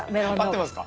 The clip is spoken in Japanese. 合ってますか？